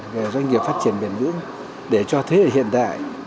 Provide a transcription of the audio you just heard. về doanh nghiệp phát triển bền bướng để cho thế hiện đại